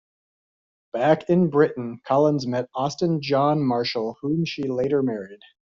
Back in Britain, Collins met Austin John Marshall, whom she later married.